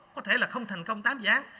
có thể là không thành công tám dự án